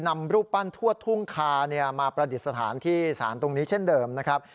นำรูปปั้นทั่วทุ่งคามาประดิษฐานที่สารตรงนี้เช่นเดิมนะครับ